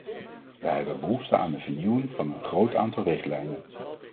Wij hebben behoefte aan de vernieuwing van een groot aantal richtlijnen.